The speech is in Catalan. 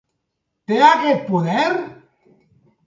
Té aquest poder?